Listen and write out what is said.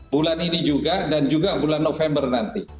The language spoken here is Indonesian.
bulan ini juga dan juga bulan november nanti